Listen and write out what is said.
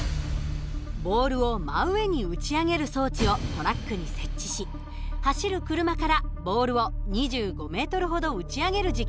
ボールを真上に打ち上げる装置をトラックに設置し走る車からボールを２５ｍほど打ち上げる実験をしました。